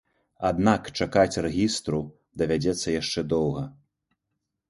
Аднак чакаць рэгістру давядзецца яшчэ доўга.